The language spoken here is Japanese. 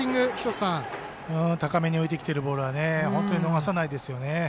高めに浮いてきているボールは本当に逃さないですよね。